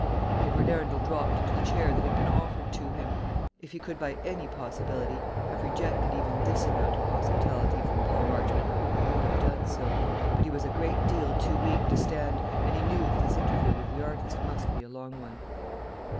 Edward Arundel dropped into the chair that had been offered to him. If he could by any possibility have rejected even this amount of hospitality from Paul Marchmont, he would have done so; but he was a great deal too weak to stand, and he knew that his interview with the artist must be a long one.